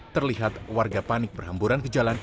terlihat warga panik berhamburan ke jalan